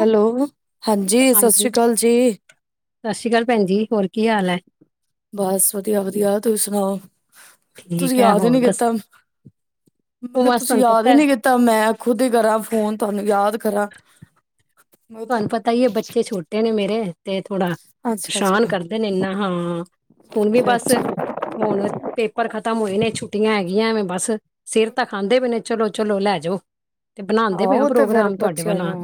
Hello ਹਾਂਜੀ ਸਤਿ ਸ੍ਰੀ ਅਕਾਲ ਜੀ, ਸਤਿ ਸ੍ਰੀ ਅਕਾਲ ਭੈਣ ਜੀ ਹੋਰ ਕੀ ਹਾਲ ਹੈ ਬਸ ਵਧੀਆ-ਵਧੀਆ ਤੁਸੀ ਸੁਣਾਓ। ਤੁਸੀਂ ਠੀਕ ਹੈ ਯਾਦ ਹੀ ਹੋਰ ਨੀ ਦੱਸ ਕੀਤਾ, ਮੈਂ ਉਹ ਕਿਹਾ ਬਸ ਤੁਸੀਂ ਤੁਹਾਨੂੰ ਯਾਦ ਪਤਾ ਹੀ ਹੈ ਨੀ ਕੀਤਾ ਮੈਂ ਖੁਦ ਹੀ ਕਰਾਂ ਫੋਨ ਤੁਹਾਨੂੰ ਯਾਦ ਕਰਾਂ। ਤੁਹਾਨੂੰ ਪਤਾ ਹੀ ਇਹ ਬੱਚੇ ਛੋਟੇ ਨੇ ਮੇਰੇ ਤੇ ਥੋੜਾ ਅੱਛਾ-ਅੱਛਾ, ਪਰੇਸ਼ਾਨ ਕਰਦੇ ਨੇ ਇਨਾ ਹਾਂ ਹੁਣ ਵੀ ਬਸ ਅੱਛਾ-ਅੱਛਾ, ਹੁਣ ਪੇਪਰ ਖਤਮ ਖਤਮ ਹੋਏ ਨੇ ਛੁੱਟੀਆਂ ਹੈਗੀਆਂ ਨੇ ਬਸ, ਸਿਰ ਤਾਂ ਖਾਂਦੇ ਪਏ ਨੇ, ਚਲੋ-ਚਲੋ ਲੈ ਜਾਓ। ਤੇ ਬਣਾਦੇ ਪਏ ਔ ਆਹੋ ਪ੍ਰੋਗਰਾਮ ਤੁਹਾਡੇ ਵੱਲ ਆਣ ਦਾ।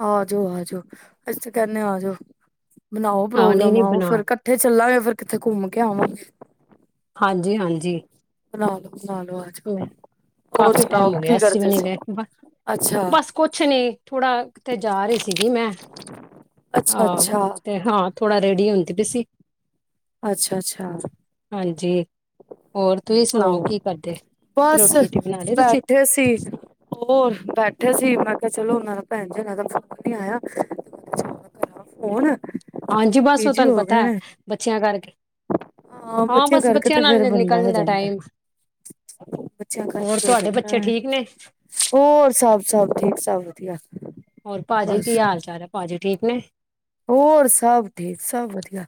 ਆ ਜਾਓ, ਆ ਜਾਓ, ਅਸੀ ਤਾਂ ਕਹਿੰਦੇ ਆ ਜਾਓ। ਬਨਾਓ ਹਾਂ ਨਹੀਂ ਪ੍ਰੋਗਰਾਮ ਨਹੀਂ ਆਓ ਬਣਾ ਫੇਰ ਇਕੱਠੇ ਚੱਲਾਂਗੇ। ਫਿਰ ਕਿੱਥੇ ਘੁੰਮ ਕੇ ਆਵਾਂਗੇ। ਹਾਂਜੀ-ਹਾਂਜੀ, [unintelligible] ਆਜੋ, ਹੋਰ ਕਾਫੀ ਸੁਣਾਓ ਟਾਈਮ ਹੋ ਗਿਆ, ਕੀ ਅਸੀਂ ਵੀ ਕਰਦੇ ਨਹੀਂ ਸੀ? ਗਏ ਅੱਛਾ, ਬਸ ਕੁਛ ਨੀ ਥੋੜਾ ਕਿਥੇ ਜਾ ਰਹੀ ਸੀਗੀ ਮੈਂ, ਹਾਂ ਅੱਛਾ-ਅੱਛਾ, ਤੇ ਹਾਂ ਥੋੜਾ ਰੇਡੀ ਹੁੰਦੀ ਪਈ ਸੀ। ਅੱਛਾ-ਅੱਛਾ, ਹਾਂਜੀ, ਹੋਰ ਤੁਸੀਂ ਸੁਣਾਓ ਓ ਕੀ ਕਰਦੇ। ਬਸ ਰੋਟੀ ਰੂਟੀ ਬਣਾ ਲਈ ਤੁਸੀਂ? ਬੈਠੇ ਸੀ ਹੋਰ ਬੈਠ ਬੈਠੇ ਸੀ, ਮੈਂ ਕਿਹਾ ਚਲੋ ਉਨਾ ਦਾ ਭੈਣ ਜੀ ਔਰਾ ਦਾ ਫੋਨ ਨਹੀ ਆਇਆ ਚਲੋ ਕਰਾਂ ਫੋਨ, ਹਾਂਜੀ, ਬਸ ਉਹ ਬਿਜੀ ਤੁਹਾਨੂੰ ਹੋ ਗਏ ਪਤਾ ਹੈ ਨੇ। ਬੱਚਿਆਂ ਕਰਕੇ ਹਾਂ ਬੱਚਿਆਂ ਬਸ ਕਰਕੇ ਤੇ ਨਾਲ ਫੇਰ ਬੰਦਾ ਨਿਕਲ ਹੋ ਜਾਂਦਾ, ਟਾਈਮ ਬੱਚਿਆਂ ਹੋਰ ਕਰਕੇ ਹੋ ਤੁਹਾਡੇ ਬੱਚੇ ਜਾਂਦਾ ਹੈ ਠੀਕ ਨੇ? ਹੋਰ ਸਭ ਸਭ ਠੀਕ ਸਭ ਵਧੀਆ, ਹੋਰ ਭਾਜੀ ਬਸ ਕੀ ਹਾਲ ਚਾਲ ਹੈ ਭਾਜੀ, ਠੀਕ ਨੇ, ਹੋਰ ਸਭ ਠੀਕ ਸਭ ਵਧੀਆ,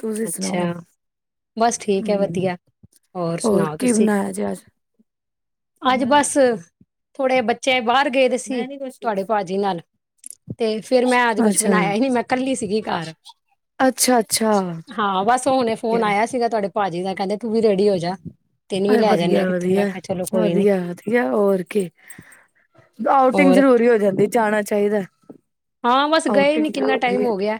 ਤੁਸੀਂ ਅੱਛਾ ਸੁਣਾਓ ਬਸ ਠੀਕ ਹੈ ਹਮ ਵਧੀਆ, ਹੋਰ ਸੁਣਾਓ ਕੀ ਤੁਸੀਂ? ਬਣਾਇਆ ਜੇ ਅੱਜ ਅੱਜ ਬਸ, ਥੋੜੇ ਬੱਚੇ ਬਾਹਰ, ਗਏ ਸੀ ਤੁਹਾਡੇ ਭਾਜੀ ਨਾਲ ਤੇ ਫੇਿਰ ਮੈਂ ਅੱਜ ਕੁਛ ਅੱਛਾ ਬਣਾਇਆ ਹੀ ਮੈਂ ਇਕੀ ਸੀਗੀ ਘ ਅੱਛਾ ਅੱਛਾ ਹਾਂ ਬਸ ਹੁਣੇ ਫੋਨ ਵਧੀਆ ਆਇਆ ਸੀਗਾ ਤੁਹਾਡੇ ਭਾਜੀ ਦਾ ਕਹਿੰਦੇ ਤੂੰ ਵੀ ਰੈਡੀ ਹੋ ਜਾ ਤੈਨੂੰ ਵੀ ਅ ਲੈ ਜਾਂਨਾ ਵਧੀਆ ਕਿਤੇ ਵਧੀਆ ਮੈਂ ਕਿਹਾ ਚਲੋ ਕੋਈ ਨੀ ਵਧੀਆ ਵਧੀਆ ਹੋਰ ਕੀ ਆਊਟਿੰਗ ਹੋਰ ਜ਼ਰੂਰੀ ਹੋ ਜਾਂਦੀ ਜਾਣਾ ਚਾਹੀਦਾ ਤੇ ਹਾਂ ਬਸ ਗਏ ਨੀ ਕਿੰਨਾ ਟਾਈਮ ਹੋ ਗਿਆ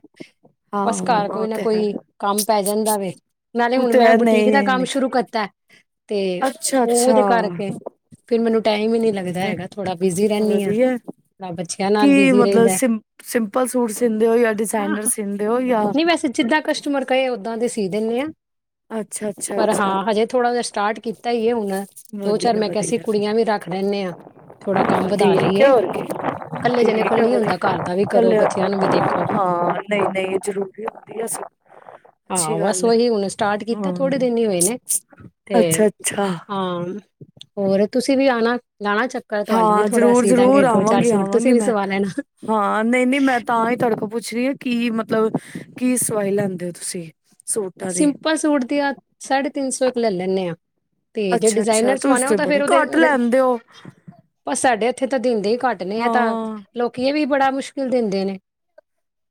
ਹਾਂ ਬਸ ਘਰ ਕੋਈ ਉਹ ਨਾ ਤੇ ਹੈ ਕੋਈ ਕੰਮ ਪੈ ਜਾਂਦਾ ਵ ਨਾਲੇ ਉਹ ਹੁਣ ਤੇ ਮੈਂ ਹੈ ਬੁਟੀਕ ਦਾ ਨਹੀਂ ਕੰਮ ਨਿ ਸ਼ੁਰੂ ਕੀਤਾ ਤੇ ਅੱਛਾ ਉਹ ਅੱਛਾ ਉਹਦੇ ਕਰਕੇ ਫਿਰ ਮੈਨੂੰ ਟਾਈਮ ਹੀ ਨੀ ਲੱਗਦਾ ਹੈਗਾ ਥੋੜਾ ਬਿਜ਼ੀ ਰਹਿੰਦੀ ਹਾਂ ਵਧੀਆ ਰੱਬ ਕੀ ਮਤਲਬ ਸਿੰ ਸਿੰਪਲ ਸੂਟ ਸਿੰਂਦੇ ਹੋ ਜਾਂ ਹਾਂ ਡਿਜ਼ਾਇਨਰ ਸਿੰਂਦੇ ਹੋ ਜਾਂਾ ਨਹੀਂ ਵੈਸੇ ਜਿੱਦਾਂ ਕਸਟਮਰ ਕਹੇ ਓਦਾਂ ਦੇ ਸੀ ਦਿੰਦੇ ਹਾਂ ਪਰ ਹਾਂ ਹਜੇ ਥੋੜ੍ਹਾ ਜਹਾ ਸਟਾਰਟ ਕੀਤਾ ਹੁਣ ਦੋ ਚਾਰ ਵਧੀਆ ਮੈਂ ਕਿਹਾ ਸੀ ਵਧੀਆ ਕੁੜੀਆਂ ਵੀ ਰੱਖ ਲੈਂਦੇ ਹਾਂ ਥੋੜਾ ਕੰਮ ਹਾਂ ਵਧਾ ਠੀਕ ਹੈ ਲਈਏ ਹੋਰ ਕੀ ਕੱਲੇ ਜਣੇੇ ਠੀਕ ਕੋਲ ਹੈ ਨਹੀਂੀ ਹੁੰਦਾ ਵਧੀਆ ਘਰ ਵੀ ਕੱਲ ਕਰੋ ਬੱਚਿਆਂ ਨੂੰ ਵੀ ਦੇਖੋ ਹਾਂ ਨਹੀਂ ਨਹੀਂ ਜ਼ਰੂਰੀ ਹੁੰਦੀ ਆ ਸ ਅੱਛੀ ਗੱਲ ਹੈ ਤਾਂ ਹਾਂ ਥੋੜੇ ਦਿਨ ਹੀ ਹੋਏ ਨੇ ਤੇ ਅੱਛਾ ਅੱਛਾ ਹਾਂ ਹੋਰ ਤੁਸੀਂ ਵੀ ਆਉਣਾ ਲਣਾ ਚੱਕਰ ਤੁਹਡੂੰ ਵੀ ਹਾਂ ਥੋੜਾ ਜ਼ਰੂਰ ਸੀ ਜ਼ਰੂਰ ਦਾਂਗੇ ਦੋ ਚਾਰ ਆਵਾਂਗੀ ਸੂਟ ਤੁਸੀਂ ਆਵਾਂਗੀ ਵੀ ਮੈਂ ਸਵਾ ਲੈਣਾ ਹਾਂ ਨਹੀਂ ਨਹੀਂ ਮੈਂ ਤਾਂ ਹੀ ਤੜ ਉਹ ਪੁੱਛ ਰਹੀ ਹੈ ਕੀ ਮਤਲਬ ਕੀ ਸਵਾਈ ਲੈਂਦੇ ਹੋ ਤੁਸੀਂ ਸੂਟਾਂ ਦੀ ਸਿੰਪਲ ਸੂਟ ਦੀ ਆ ਸਾਢੇ ਤਿੰਨ ਸੌ ਇੱਕ ਲੈ ਲੈਂਦੇ ਹਾਂ ਤੇ ਜੇ ਅੱਛਾ ਅੱਛਾ ਡਿਜ਼ਾਇਨਰ ਤੁਸੀਸ ਸਵਾਣਾ ਉਹ ਤੇ ਤਾਂ ਬੜੇ ਫੇਰ ਉਹਦੇ ਘੱਟ ਲੈਂਦੇ ਹੋ ਉੱਥ ਤਾਂ ਦਿੰ ਹੀ ਘੱਟਦੇ ਆ ਤਾਂ ਹਾਂ ਲੋਕੀਏ ਵੀ ਬੜਾ ਮੁਸ਼ਕਿਲ ਮੁਸ਼ਕਿਲ ਦਿੰਦੇ ਨੇ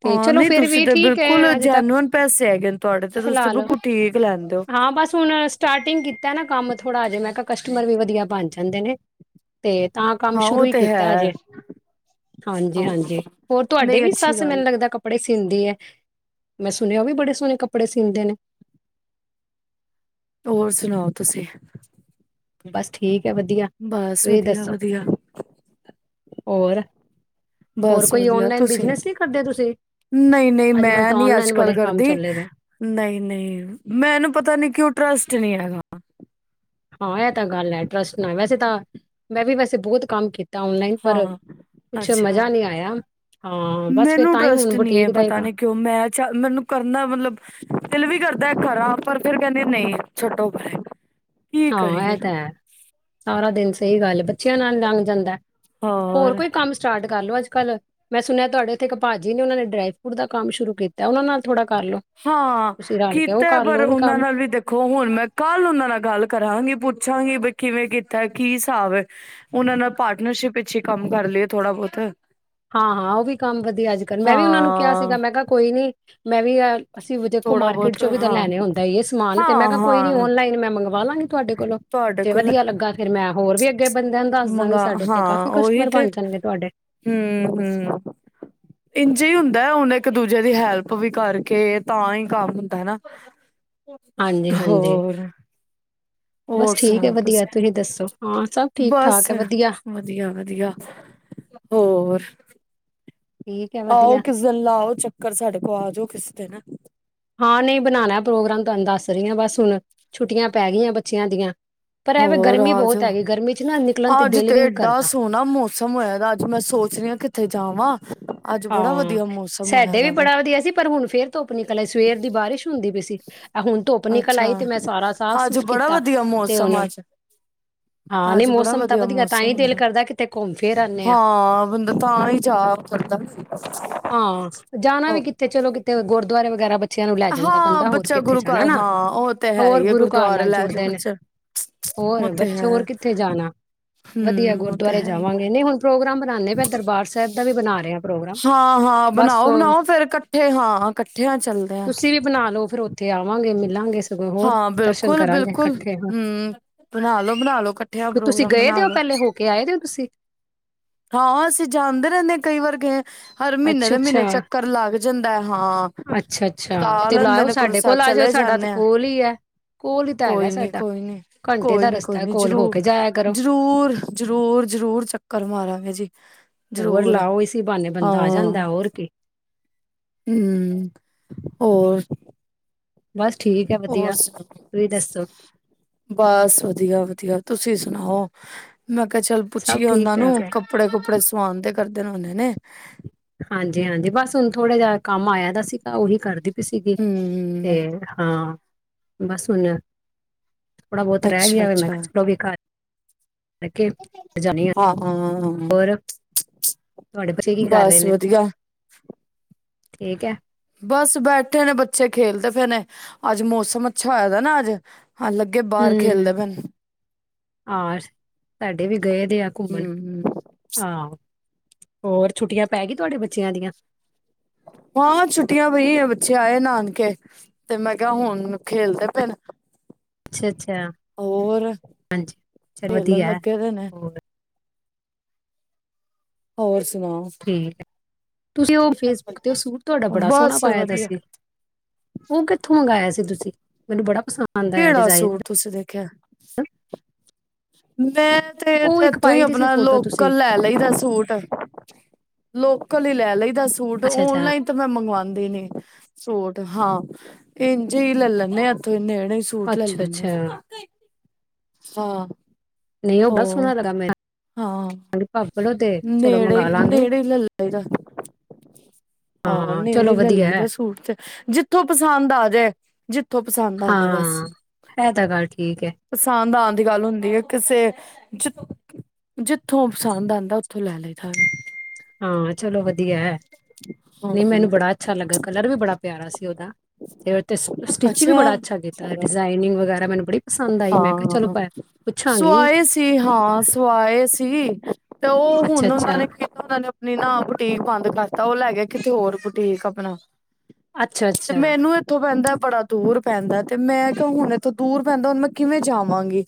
ਤੇ ਹਾਂ ਚਲੋ ਨਹੀਂ ਫੇਰ ਤੁਸੀਂ ਵੀ ਤਾਂ ਠੀਕ ਬਿਲਕੁਲ ਹੈ ਹਜੇ ਤੱਕ ਜੈਨਅਨ ਪੈਸੇ ਹੈਗੇ ਨੇ ਤੁਹਾਡੇ ਤੇ ਤੁਸੀਂ ਤੇ ਫਿਲਹਾਲ ਬਿਲਕੁਲ ਠੀਕ ਲੈਂਦੇ ਹੋ ਹਾਂ ਬਸ ਹੁਣ ਸਟਾਰਟਿੰਗ ਕੀਤਾ ਨਾ ਕੰਮ ਥੋੜਾ ਹਜੇ ਮੈਂ ਕਿਹਾ ਕਸਟਮਰ ਵੀ ਵਧੀਆ ਬਣ ਜਾਂਦੇ ਨੇ ਤੇ ਤਾਂ ਕੰਮ ਹਾਂ ਸ਼ੁਰੂ ਉਹ ਹੀ ਤੇ ਕੀਤਾ ਹੈ ਹਜੇ ਹਾਂਜੀ ਹਾਂ ਹਾਂਜੀ ਹੋਰ ਤੁਹਾਡੇ ਨਹੀਂ ਵੀ ਅੱਛੀ ਸੱਸ ਗੱਲ ਮੈਨੂੰ ਲੱਗਦਾ ਕੱਪੜੇ ਸਿੰਦੀ ਹੈ ਮੈਂ ਸੁਣਿਆ ਉਹ ਵੀ ਬੜੇ ਸੋਹਣੇ ਕੱਪੜੇ ਕੱਪੜੇ ਸੀਂਦੇ ਨੇ ਹੋਰ ਸੁਣਾਓ ਤੁਸੀਂ ਬਸ ਠੀਕ ਵਧੀਆ ਬਸ ਤੁਸੀਂ ਵਧੀਆ ਦੱਸੋ ਵਧੀਆ ਹੋਰ ਹੋਰ ਬਸ ਕੋਈ ਵਧੀਆ ਔਨਲਾਈਨ ਤੁਸੀਂ, ਬਿਜਨਸ ਨਹੀਂ ਕਰਦੇ ਤੁਸੀਂ? ਨਹੀਂ ਨਹੀਂ ਅੱਜ-ਕੱਲ੍ਹ ਮੈਂ ਤਾਂ ਨੀ ਅੱਜ ਔਨਲਾਈਨ ਕੱਲ ਬੜੇ ਕੰਮ ਕਰਦੀ, ਚੱਲੇ ਨੇ। ਨਹੀਂ ਨਹੀਂ, ਮੈਨੂੰ ਪਤਾ ਨੀ ਕਿਉਂ ਟਰਸਟ ਪ੍ਰਚਨ [inaudible] ਹਾਂ ਇਹ ਤਾਂ ਗੱਲ ਹੈ ਟਰੱਸ ਵੈਸੇ ਤਾਂ ਮੈਂ ਵੀ ਵੈਸੇ ਬਹੁਤ ਕੰਮ ਕੀਤਾ ਔਨਲਾਈਨ ਪਰ ਹਾਂ ਕੁਛ ਅੱਛਾ ਮਜ਼ਾ ਨਹੀਂ ਆਇਆ। ਹਾਂ ਬਸ ਫਿਰ ਮੈਨੂੰ ਤਾਂ ਹੀ ਟਰਸਟ ਹੁਣ ਨੀ ਹੈ ਬੁਟੀਕ ਦਾ ਹੀ ਪਤਾ ਕੰਮ ਨੀ ਕਿਉਂ ਮੈਂ ਮੈਨੂੰ ਕਰਨਾ ਮਤਲਬ ਦਿਲ ਵੀ ਕਰ ਮੈ ਕਰਾਂ ਪਰ ਫਿਰ ਕਹਿੰਦੀ ਨਹੀਂ ਛੱਡੋ ਪਰੇ ਕੀ ਹਾਂ ਕਰੀਏ ਇਹ ਤਾਂ ਹੈ, ਸਾਰਾ ਦਿਨ ਚ ਸਹੀ ਗੱਲ ਬ ਬੱਚਿਆਂ ਨਾਲ ਲੰਘ ਜਾਂਦਾ ਐ, ਹੋਰ ਕੋਈ ਕੰਮ ਸਟਾਰਟ ਕਰ ਲਓ ਅੱਜ ਅੱਜ ਕੱਲ ਮੈਂ ਸੁਣਿਆ ਤੁਹਾਡੇ ਉੱਥੇ ਇੱਕ ਭਾਜੀ ਨੇ ਉਹਨਾਂ ਨੇ ਡਰਾਈ ਫਰੂਟ ਦਾ ਕੰਮ ਸ਼ੁਰੂ ਕੀਤਾ ਉਹਨਾਂ ਨਾਲ ਥੋੜ੍ਹਾ ਹਾਂ ਕੀਤਾ ਐ ਪਰ ਲਓ ਉਹ ਵੀ ਉਹਨਾਂ ਕੰਮ ਨਾਲ ਵੀ ਦੇਖੋ ਹੁਣ ਮੈਂ ਕੱਲ ਉਹਨਾਂ ਨਾਲ ਗੱਲ ਕਰਾਂਗੀ ਪੁੱਛਾਂਗੀ ਬਈ ਕਿਵੇਂ ਕੀਤਾ ਕੀ ਹਿਸਾਬ ਉਹਨਾਂ ਨਾਲ ਪਾਰਟਨਰਸ਼ਿਪ ਪਿੱਛੇ ਕੰਮ ਕਰ ਲਏ ਥੋੜਾ ਬਹੁਤ ਹਾਂ ਹਾਂ ਉਹ ਵੀ ਕੰਮ ਵਧੀਆ ਅੱਜ ਕੱਲ ਮੈਂ ਵੀ ਉਹਨਾਂ ਨੂੰ ਕਿਹਾ ਹਾਂ ਸੀਗਾ ਮੈਂ ਕਿਹਾ ਕੋਈ ਨੀ ਖਾਲੀ ਜਵਾਬ [unintelligible] ਮੈਂ ਵੀ ਐ ਅਸੀਂ ਵੀ ਦੇਖੋ ਥੋੜਾ ਮਾਰਕੀਟ ਬਹੁਤ ਚੋਂ ਵੀ ਤਾਂ ਹਾਂ ਲੈਣੇ ਹੁੰਦਾ ਇਹ ਸਮਾਨ ਤੇ ਮੈਂ ਹਾਂ ਕਿਹਾ ਕੋਈ ਨੀ ਹਾਂ ਔਨਲਾਈਨ ਮੈਂ ਮੰਗਵਾ ਵਾ ਲਾਂਗੇ ਤੁਹਾਡੇ ਕੋਲੋਂ ਤੁਹਾਡੇ ਜੇ ਕੋਲ ਵਧੀਆ ਲੱਗਾ ਫਿਰ ਮੈਂ ਹੋਰ ਵੀ ਅੱਗੇ ਬੰਦਿਆਂ ਨੂੰ ਦੱਸਦਾ ਗੀ ਮੰਗਾ ਸਾਡੇ ਤੇ ਹਾਂ ਕਾਫ਼ੀ ਕਸਟਮਰ ਬਣ ਜਾਣਗੇ ਤੁਹਾਡੇ ਹੂ ਇੰਝ ਹੀ ਹੁੰਦਾ ਹੁਣ ਇੱਕ ਦੂਜੇ ਦੀ ਹੈਲਪ ਵੀ ਕਰਕੇ ਤਾਂ ਹੀ ਕੰਮ ਹੁੰਦਾ ਹੈ ਨਾ ਹਾਂਜੀ-ਹਾਂਜੀ ਹੋਰ ਹੋਰ ਬਸ ਠੀਕ ਹੈ ਸੁਣਾਔ ਵਧੀਆ ਤੁਸੀਂ ਦੱਸੋ ਹਾਂ ਸਭ ਠੀਕ ਬਸ ਠਾਕ ਹੈ ਵਧੀਆ ਵਧੀਆ ਵਧੀਆ ਹੋਰ ਠੀਕ ਹੈ ਆਓ ਵਧੀਆ ਕਿਸੇ ਦਿਨ ਲਾਓ ਚੱਕਰ ਸਾਡੇ ਕੋਲ ਆ ਜੋ ਕਿਸੇ ਦਿਨ ਹਾਂ ਨਹੀਂ ਬਣਾਉਣਾ ਪ੍ਰੋਗਰਾਮ ਤੁਹਾਨੂੰ ਦੱਸ ਰਹੀ ਹ ਬਸ ਹੁਣ ਛੁੱਟੀਆਂ ਪੈ ਗਈਆਂ ਬ ਬੱਚਿਆਂ ਦੀਆਂ ਪਰ ਐਵੇਂ ਹੋਰ ਗਰਮੀ ਅੱਜ, ਬਹੁਤ ਹੈਗੀ ਗਰਮੀ 'ਚ ਨਾ ਨਿਕਲਣ ਅੱਜ ਦਿਲ ਤੇ ਵੀ ਨੀ ਏਡਾ ਕਰਦਾ ਸੋਹਨਾ ਮੌਸਮ ਹੋਇਆ ਏ ਗਾ ਅੱਜ ਮੈਂ ਸੋਚ ਰਹੀ ਹ ਕਿੱਥੇ ਜਾਵਾਂ। ਅੱਜ ਬੜਾ ਹਾਂ, ਵਧੀਆ ਮੌਸਮ ਹੋਇਆ ਸਾਡੇ ਵੀ ਦਾ ਵੇ ਬੜਾ ਵਧੀਆ ਸੀ ਪਰ ਹੁਣ ਫੇਰ ਧੁੱਪ ਨਿਕਲ ਆਈ ਸਵੇਰ ਦੀ ਬਾਰਿਸ਼ ਹੁੰਦੀ ਪਈ ਸੀ। ਆ ਹੁਣ ਧੁੱਪ ਨਿਕਲ ਅੱਛਾ ਆਈ ਤੇ ਮੈਂ ਸਾਰਾ ਸਾਫ਼ ਅੱਜ ਸੁਫ਼ ਬੜਾ ਕੀਤਾ ਵਧੀਆ ਤੇ ਹੁਣ ਮੌਸਮ ਅੱਜ, ਹਾਂ ਨਹੀਂ ਅੱਜ ਬੜਾ ਮੌਸਮ ਤਾਂ ਵਧੀਆ ਤਾਂ ਮੌਸਮ ਹੀ ਹੋਇਆ ਦਿਲ ਦਾ, ਕਰਦਾ ਕਿਤੇ ਘੁੰਮ ਫਿਰ ਆਨੇ ਆ। ਹਾਂ, ਬੰਦਾ ਤਾਂ ਹੀ ਜਾ ਕਰਦਾ ਹਾਂ, ਜਾਣਾ ਵੀ ਹੋ ਕਿੱਥੇ, ਚਲੋ ਕਿਥੇ ਗੁਰਦੁਆਰੇ ਵਗੈਰਾ ਬੱਚੇ - ਬੱਚਿਆਂ ਨੂੰ ਲੈ ਜਾਂਦਾ ਹਾਂ ਬੰਦਾ ਹੋਰ ਬੱਚਾ ਕਿੱਥੇ ਗੁਰੂ ਜਾਣਾ, ਹੇ ਘਰ ਨਾ? ਹਾਂ ਉਹ ਤੇ ਹੈ ਹੋਰ ਹੀ ਹੈ ਗੁਰੂ ਘਰ ਗੁਰਦੁਆਰੇ ਨਾਲ ਲੈ ਜਾਓ ਜੁੜਦੇ ਨੇ, ਬੱਚਾ ਉਹ ਹੋਰ, ਤੇ ਬੱਚੇ ਹੋਰ ਹੈ ਕਿੱਥੇ ਜਾਣਾ? ਵਧੀਆ ਹਮ ਉਹ ਤੇ ਗੁਰਦੁਆਰੇ ਹੈ ਹੀ ਜਾਵਾਂਗੇ, ਨਹੀਂ ਹੁਣ ਪ੍ਰੋਗਰਾਮ ਬਣਾਉਂਦੇ ਪਏ, ਦਰਬਾਰ ਸਾਹਿਬ ਦਾ ਵੀ ਬਣਾਉਣ ਹਾਂ ਹਾਂ ਬਣਾਓ ਬਣਾਓ ਫੇਰ ਇਕੱਠੇ। ਹਾਂ, ਇਕੱਠਿਆਂ ਚੱਲਦੇ ਆਂ। ਤੇ ਆਵਾਂਗੇ ਮਿਲਾਂਗੇ। ਸਗੋਂ ਹੋਰ ਹਾਂ, ਦਰਸ਼ਨ ਬਿਲਕੁਲ ਕਰਾਂਗੇ ਬਿਲਕੁਲ, ਇਕੱਠੇ ਹਾਂ। ਹੂੰ। ਬਣਾ ਲੋ ਬਣਾ ਲੋ, ਇਕੱਠਿਆਂ ਕਿ ਤੁਸੀਂ ਪ੍ਰੋਗਰਾਮ ਗਏ ਬਣਾ ਦੇ ਹੋ ਲੋ। ਪਹਿਲੇ ਹੋ ਕੇ ਆਏ ਦੇ ਹੋ ਤੁਸੀਂ ਹਾਂ, ਅਸੀਂ ਜਾਂਦੇ ਰਹਿੰਨੇ, ਕਈ ਵਾਰ ਗਏ। ਹਰ ਮਹੀਨੇ ਅੱਛਾ ਦੇ ਅੱਛਾ ਮਹੀਨੇ ਚੱਕਰ ਲੱਗ ਜਾਂਦਾਂ ਐ, ਹਾਂ। ਅੱਛਾ ਅੱਛਾ ਲਾ ਤੇ ਲੈਂਦੇ ਲਾਇਓ ਨੇ ਗੁਰੂ ਸਾਡੇ ਸਾਹਿਬ ਕੋਲ ਆ ਜਾਓ ਚਲੇ ਸਾਡਾ ਤਾਂ ਜਾਂਨੇ ਆ। ਕੋਲ ਹੀ ਹੈ ਕੋਲ ਹੀ ਤਾਂ ਹੈਗਾ ਕੋਈ ਨੀ ਸਾਡਾ ਕੋਈ ਨੀ ਘੰਟੇ ਦਾ ਕੋਈ ਨੀ ਕੋਈ ਰਸਤਾ ਹੈ ਨੀ ਕੋਲ ਹੋ ਜਰੂਰ, ਕੇ ਜਾਇਆ ਕਰੋ ਜ਼ਰੂਰ, ਜ਼ਰੂਰ, ਜ਼ਰੂਰ ਚੱਕਰ ਮਾਰਾ ਹੋਰ ਲਾਓ ਇਸੀ ਬਹਾਨੇ ਬੰ ਹਾਂ ਆ ਜਾਂਦਾ ਹੋਰ ਕੀ। ਹਮ ਹੋਰ ਬਸ ਠੀਕ ਹੈ ਹੋਰ ਵਧੀਆ ਸੁਣਾ? ਤੁਸੀਂ ਦੱਸੋ ਬਸ ਵਧੀਆ-ਵਧੀਆ। ਤੁਸੀਂ ਸੁਣਾਓ? ਮੈਂ ਕਿਹਾ ਚੱਲ ਸਭ ਪੁੱਛੀਏ ਠੀਕ ਉਹਨਾਂ ਠਾਕ ਨੂੰ, ਹੈ ਕੱਪੜੇ ਕੁਪੜੇ ਸਵਾਉਣ ਦੇ ਕਰਦੇ ਹੁਨੇ ਨੇ। ਹਾਂਜੀ-ਹਾਂਜੀ, ਬਸ ਹੁਣ ਥੋੜ੍ਹਾ ਜਿ ਕੰਮ ਆਇਆ ਦਾ ਸੀਗਾ ਉਹੀ ਕਰਦੀ ਸੀਗੀ, ਹਮ ਤੇ ਹਾਂ। ਬਸ ਹੁਣ ਥੋੜ੍ਹਾ ਬਹੁਤ ਰਹਿ ਅੱਛਾ ਗਿਆ ਵੇ, ਮੈਂ ਅੱਛਾ ਕਿਹਾ ਚਲੋ ਉਹ ਵੀ ਕਰਕੇ ਜਾਣੀ ਐ। ਹਾਂ ਹਾਂ ਹੋਰ, ਤੁਹਾਡੇੇ ਬੱਚੇ ਕੀ ਕਰ ਰਹੇ ਬਸ ਨੇ ਵਧੀਆ। ਠੀਕ ਹੈ। ਬਸ ਬੈਠੇ ਨੇ ਬੱਚੇ ਖੇਲਦੇ ਪਏ ਨੇ। ਅੱਜ ਮੌਸਮ ਅੱਛਾ ਹੋਇਆ ਦਾ ਨਾ ਅੱਜ ਹਾਂ ਲੱਗੇ ਬਾਹਰ ਖੇਲਦੇ ਹੂੰ, ਪਏ ਨੇ ਆਹ ਸਾਡੇ ਵੀ ਗਏ ਦੇ ਆ ਘੁੰਮਣ ਹਮ ਹਾਂ। ਹੋਰ ਛੁੱਟੀਆਂ ਪੈ ਗਈ ਤੁਹਾਡੇ ਬੱਚਿਆਂ ਦੀਆਂ? ਹਾਂ, ਛੁੱਟੀਆਂ ਪਈਆਂ, ਬੱਚੇ ਆਏ ਨਾਨਕੇ, ਤੇ ਮੈਂ ਕਿਹਾ ਹੁਣ ਖੇਲਦੇ ਪਏ ਨੇ। ਅੱਛਾ-ਅੱਛਾ। ਹੋਰ ਚਲ ਖੇਲਣ ਵਧੀਆ ਹੈ। ਲੱਗੇ ਦੇ ਨੇ। ਹੋਰ ਹੋਰ ਸੁ ਠੀਕ ਹੈ। ਤੁਸੀਂ ਉਹ ਫੇਸਬੁੱਕ ਤੇ ਉਹ ਸੂਟ ਤੁਹਾਡਾ ਬੜਾ ਸੋਹਣਾ ਬਸ ਪਾਇਆ ਦਾ ਵਧੀਆ ਸੀ। ਉਹ ਕਿੱਥੋਂ ਮੰਗਾਇਆ ਸੀ? ਸੀ ਤੁਸੀਂ, ਮੈਨੂੰ ਬੜਾ ਪਸੰਦ ਆਇਆ ਕਿਹੜਾ ਡਿਜ਼ਾਇਨ ਸੂਟ ਤੁਸੀਂ ਦੇਖਿਆ? ਮੈਂ ਤੇ ਉਹ ਇੱਕ ਇੱਥੋਂ ਹੀ ਪਾਈ ਦੀ ਸੀ ਆਪਣਾ ਫੋਟੋ ਤੁਸੀਂ ਲੋਕਲ ਲੈ ਲਈ ਦਾ ਸੂਟ। ਲੋਕਲ ਹੀ ਲੈ ਲਈ ਦਾ ਸੂਟ ਅੱਛਾ ਅੱਛਾ ਔਨਲਾਈਨ ਤਾਂ ਮੈਂ ਮੰਗਵਾਉਂਦੀ ਨਹੀਂ। ਸੂਟ ਹਾਂ ਇੰਝੇ ਹੀ ਲੈ ਲੈਂਦੇ ਆ ਇੱਥੋਂ ਨੇੜੇ ਸੂਟ ਲੈ ਅੱਛਾ ਲੈਂਦੇ ਹ ਅੱਛਾ ਹਾਂ ਨਹੀਂ ਉਹ ਬਸ ਹੋ ਸੁਹਣਾ ਲ ਮੈਂ ਹਾਂ ਹੜ ਪਾ [inaudible] ਨੇੜੇ ਨੇੈੜੇ ਹੀ ਲੇਹ ਲਾਏਦਾ ਹਾਂ ਨੇੜੇ ਚਲੋ ਲੈ ਵਧੀਆ ਹੈ ਲਾਇਦਾ ਸੂਟ ਚ ਜਿੱਥੋਂ ਪਸੰਦ ਆ ਜਾਏ ਜਿੱਥੋਂ ਪਸੰਦ ਆ ਜਾਏ ਬਸ ਹਾਂ ਇਹ ਤਾਂ ਗੱਲ ਠੀਕ ਹੈ ਪਸੰਦ ਆਉਣ ਦੀ ਗੱਲ ਹੁੰਦੀ ਹੈ। ਕਿਸੇ ਜ ਜਿੱਥੋਂ ਪਸੰਦ ਆਉਂਦਾ ਉੱਥੋਂ ਲੈ ਲਈਏ ਸਾਨੂੰ [inaudible] ਹਾਂ ਚਲੋ ਵਧੀਆ ਹੈ ਨਹੀਂ ਮੈਨੂੰ ਬੜਾ ਅੱਛਾ ਲੱਗਾ ਕਲਰ ਵੀ ਬੜਾ ਪਿਆਰਾ ਸੀ ਉਹਦਾ ਤੇ ਉ ਸਟਿਚ ਵੀ ਬੜਾ ਅੱਛਾ ਕੀਤਾ ਡਿਜ਼ਾਇਨਿੰਗ ਵਗੈਰਾ ਨੂੰ [inaudible] ਹਾਂ ਹਾਂ ਸੁਆਏ ਸੀ ਹਾਂ ਸਆਏ ਸੀ ਤੇ ਉਹ ਅੱਛਾ ਹੁਣ ਉਹਨਾਂ ਅੱਛਾ ਨੇ ਨਹੀਂ ਨਾ ਬੁਟੀਕ ਬੰਦ ਵਸਤਾ ਉਹ ਲੈ ਗਿਆ ਕਿਤੇ ਹੋਰ ਬੁਟੀਕ ਆਪਣਾ ਅੱਛਾ ਤੇ ਅੱਛਾ ਮੈਨੂੰ ਇੱਥੋਂ ਪੈਂਦਾ ਬੜਾ ਦੂਰ ਪੈਂਦਾ ਤੇ ਮੈਂ ਕਿਹਾ ਹੁਣ ਇਥੋਂ ਦੂਰ ਪੈਂਦਾ ਹੁਣ ਮੈਂ ਕਿਵੇਂ ਜਾਵਾਂਗੀ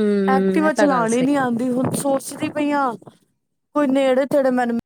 ਹਮ ਇਹ ਐਕਟਿਵਾ ਤਾਂ ਗੱਲ ਚਲਾਉਣੀ ਸਹੀ ਨੀ ਆਉਂਦੀ ਹੁਣ ਸੋਚ ਛਦੀ ਪਈਆਂ ਕੋਈ ਨੇੜੇ ਤੇੜੇ ਮੈਨ